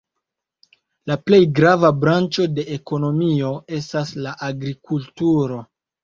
La plej grava branĉo de ekonomio estas la agrikulturo.